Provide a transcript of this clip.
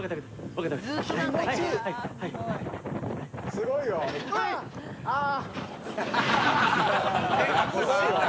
すごいよ、あー。